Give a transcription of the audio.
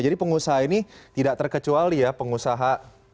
jadi pengusaha ini tidak terkecuali ya pengusaha